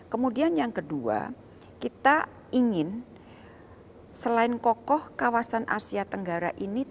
kemudian yang kedua kita ingin selain kokoh kawasan asia tenggara ini